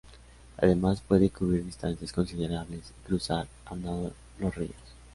Además, pueden cubrir distancias considerables y cruzar a nado los ríos.